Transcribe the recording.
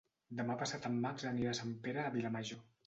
Demà passat en Max anirà a Sant Pere de Vilamajor.